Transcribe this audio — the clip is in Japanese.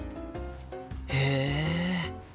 へえ！